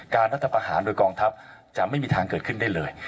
รัฐประหารโดยกองทัพจะไม่มีทางเกิดขึ้นได้เลย